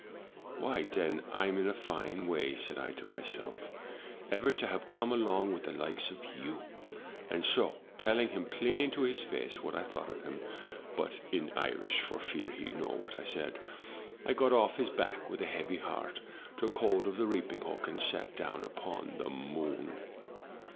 76 THROUGH FAIRY HALLS *Why, then, Fm in a fine way/ said I to myself, 'ever to have come along with the likes of you;' and so, telling him plain to his face what I thought of him (but in Irish, for fear he'd know what I said) I got off his back with a heavy heart, took hold of the reaping hook, and sat down upon the moon.